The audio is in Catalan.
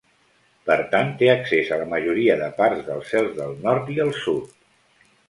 Per tant, té accés a la majoria de parts dels cels del nord i el sud.